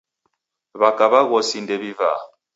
W'aka w'aghosi ndew'ivaa